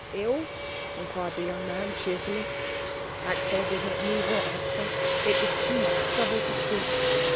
"Ill?" inquired the young man cheerfully. Axel did not move or answer. It was too much trouble to speak.